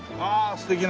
素敵な。